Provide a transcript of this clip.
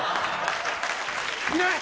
いない。